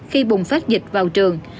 khi bùng phát dịch vào trường